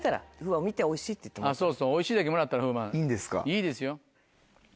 いいですよ。